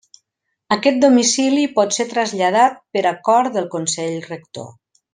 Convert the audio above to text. Aquest domicili pot ser traslladat per acord del Consell Rector.